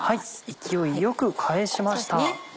勢いよく返しました。